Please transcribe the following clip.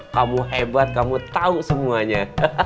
kamu hebat kamu tahu semuanya